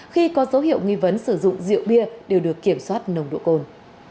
khi có dấu hiệu nghi vấn sử dụng rượu bia đều được kiểm soát nồng độ cồn